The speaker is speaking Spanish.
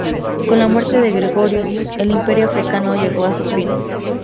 Con la muerte de Gregorio, el Imperio africano llegó a su fin.